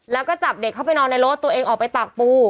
แล้วก็จับเด็กเข้าไปนอนในรถตัวเองออกไปตากปู